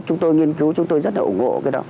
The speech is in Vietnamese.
chúng tôi nghiên cứu chúng tôi rất là ủng hộ cái đó